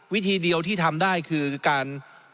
วิธีเดียวที่ทำได้คือการ